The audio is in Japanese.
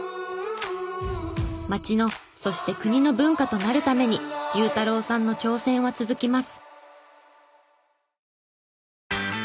街のそして国の文化となるためにＹＵＵＴＡＲＯＵさんの挑戦は続きます。